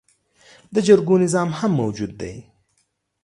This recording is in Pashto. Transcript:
د جرګو نظام هم موجود دی